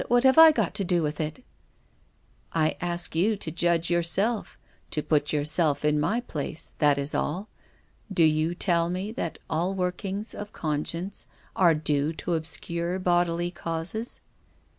What have I got to do with it ?" I ask you to judge yourself, to put yourself in my place. That is all. Do you tell me that all workings of conscience are due to obscure bodily causes?"